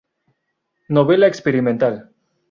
Novela experimental".